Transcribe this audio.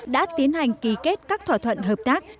đã tiến hành ký kết các thỏa thuận hợp tác